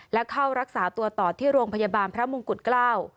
และเข้ารักษาตัวต่อที่โรงพยาบาลพระมงกุฎเกล้า